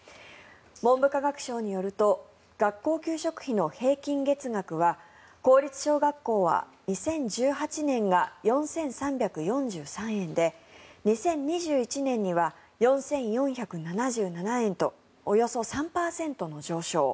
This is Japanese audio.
文部科学省によると学校給食費の平均月額は公立小学校は２０１８年が４３４３円で２０２１年には４４７７円とおよそ３％の上昇。